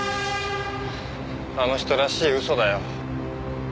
あの人らしい嘘だよ。